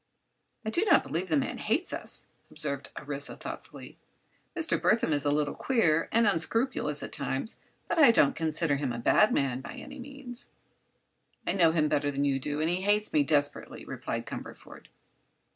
"I do not believe the man hates us," observed Orissa, thoughtfully. "Mr. Burthon is a little queer and—and unscrupulous, at times; but I don't consider him a bad man, by any means." "I know him better than you do, and he hates me desperately," replied Cumberford.